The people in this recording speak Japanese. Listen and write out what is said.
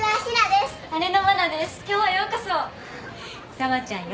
紗和ちゃんよ。